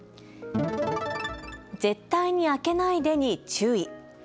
絶対に開けないでに注意。